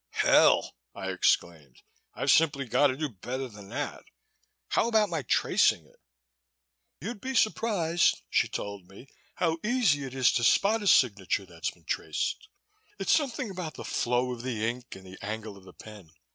"Hell," I exclaimed, "I've simply got to do better than that. How about my tracing it?" "You'd be surprised," she told me, "how easy it is to spot a signature that's been traced. It's something about the flow of the ink and the angle of the pen.